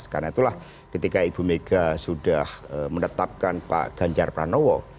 karena itulah ketika ibu mega sudah menetapkan pak ganjar pranowo